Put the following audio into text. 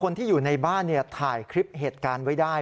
คนที่อยู่ในบ้านถ่ายคลิปเหตุการณ์ไว้ได้